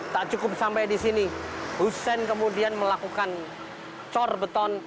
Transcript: tak cukup sampai di sini hussein kemudian melakukan cor beton